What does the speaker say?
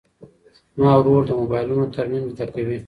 زما ورور د موبایلونو ترمیم زده کوي.